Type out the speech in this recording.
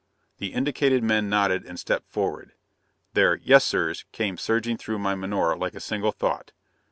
The indicated men nodded and stepped forward. Their "Yes, sirs" came surging through my menore like a single thought.